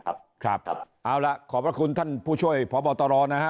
ครับครับเอาล่ะขอบพระคุณท่านผู้ช่วยพบตรนะฮะ